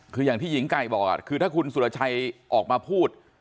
คืออย่างที่หญิงไก่บอกคือถ้าคุณสุรชัยออกมาพูด